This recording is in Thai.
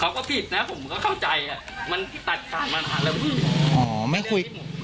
เขาก็ผิดนะผมก็เข้าใจมันตัดการมากแล้ว